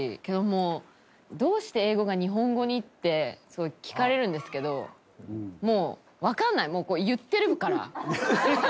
けどどうして英語が日本語に？って聞かれるんですけどもうわかんない言ってるから。